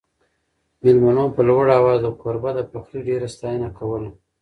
مېلمنو په لوړ اواز د کوربه د پخلي ډېره ستاینه کوله.